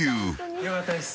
よかったです。